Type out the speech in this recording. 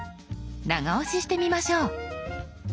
長押ししてみましょう。